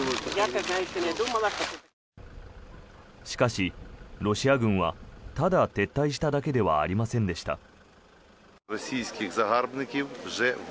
しかし、ロシア軍はただ撤退しただけではありませんでした。